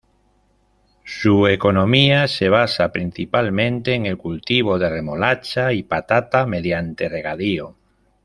Su economía se basa principalmente en el cultivo de remolacha y patata mediante regadío.